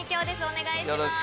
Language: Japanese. お願いします。